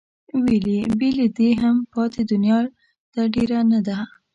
ویل یې بې له دې هم پاتې دنیا ده ډېره نه ده.